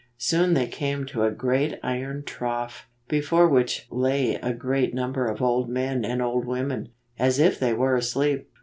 Soon they came to a great iron trough, before which lay a great number of old men and old women, as if they were asleep.